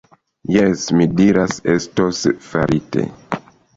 Jes, mi diras, estos farite.